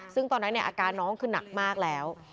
ซึ่งตอนนั้นอาการน้องคือหนักมากแล้ว